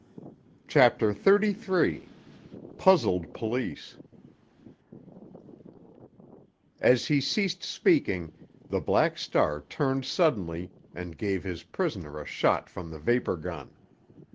CHAPTER XXXIII—PUZZLED POLICE As he ceased speaking, the Black Star turned suddenly and gave his prisoner a shot from the vapor gun.